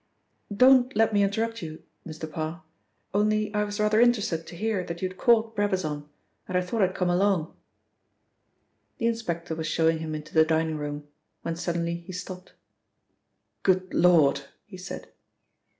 "Don't let me interrupt you, Mr. Parr, only I was rather interested to hear that you had caught Brabazon, and I thought I'd come along." The inspector was showing him into the dining room, when suddenly he stopped. "Good Lord!" he said.